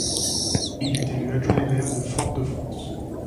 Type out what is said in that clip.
Il est élu adjoint au maire de Fort-de-France.